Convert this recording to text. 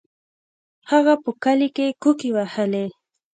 هغه په کلي کې کوکې وهلې.